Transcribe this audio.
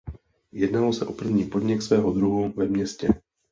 Jednalo se o první podnik svého druhu ve městě.